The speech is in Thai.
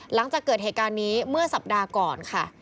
หลังจากเกิดเหตุการณ์นี้เมื่อสัปดาห์ก่อนค่ะ